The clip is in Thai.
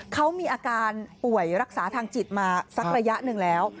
เขามีอาการป่วยรักษาทางจิตมาสักระยะหนึ่งแล้ว